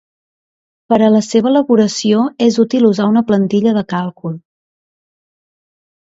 Per a la seva elaboració és útil usar una plantilla de càlcul.